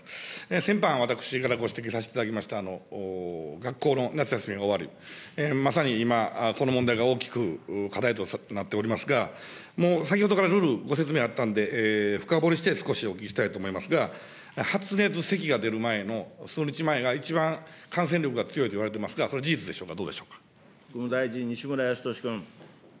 先般、私からご指摘させていただきました、学校の夏休みが終わる、まさに今、この問題が大きく課題となっておりますが、もう先ほどからるるご説明あったんで、深掘りして、少しお聞きしたいと思いますが、発熱、せきが出る前の数日前が、一番感染力が強いといわれてますが、それは事実でしょう国務大臣、西村康稔君。